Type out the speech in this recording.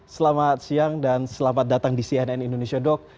selamat siang dan selamat datang di cnn indonesia dok